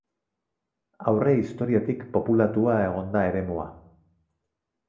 Aurre historiatik populatua egon da eremua.